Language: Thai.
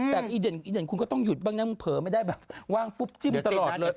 แต่อีเด่นอีเด่นคุณก็ต้องหยุดบ้างนะมึงเผลอไม่ได้แบบว่างปุ๊บจิ้มตลอดเลย